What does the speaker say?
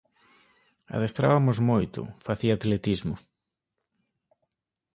Adestrabamos moito, facía atletismo...